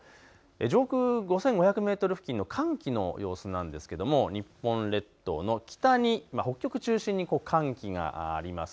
上空５５００メートル付近の寒気の様子なんですけれども日本列島の北に北極中心に寒気があります。